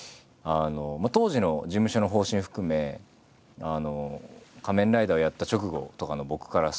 当時の事務所の方針含め「仮面ライダー」をやった直後とかの僕からしたら。